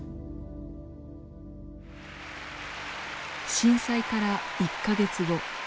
震災から１か月後。